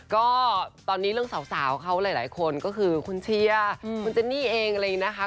ก็ตอนนี้เรื่องสาวเขาหลายคนก็คือคุณเชียร์คุณเจนนี่เองอะไรอย่างนี้นะคะ